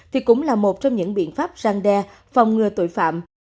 thì cũng là một trong những biện pháp răng đe phòng ngừa tội phạm